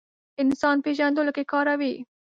انسان پېژندلو کې کاروي.